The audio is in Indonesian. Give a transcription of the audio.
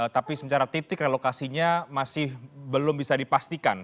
tapi secara tip tip relokasinya masih belum bisa dipastikan